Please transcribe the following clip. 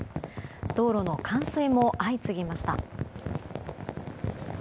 道路の冠水も相次ぎました。